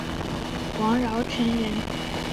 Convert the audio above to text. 王尧臣人。